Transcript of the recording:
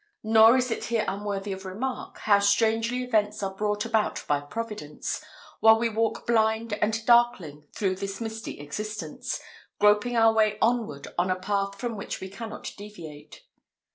Nor is it here unworthy of remark, how strangely events are brought about by Providence, while we walk blind and darkling through this misty existence, groping our way onward on a path from which we cannot deviate.